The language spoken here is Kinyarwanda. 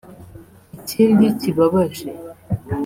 Ikindi kibabaje